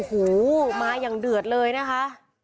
โอ้โหมาอย่างเดือดเลยนะคะ